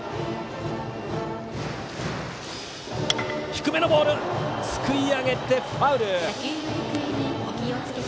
低めのボールすくい上げて、ファウル。